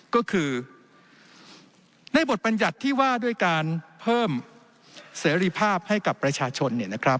ก็คือในบทบัญญัติที่ว่าด้วยการเพิ่มเสรีภาพให้กับประชาชน